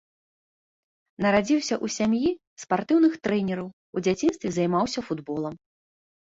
Нарадзіўся ў сям'і спартыўных трэнераў, у дзяцінстве займаўся футболам.